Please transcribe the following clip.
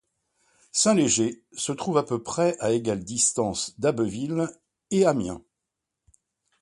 Saint-Léger se trouve à peu près à égale distance d'Abbeville et Amiens.